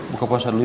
buka puasa dulu ya